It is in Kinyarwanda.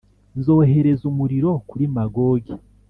Nzohereza umuriro kuri Magogi.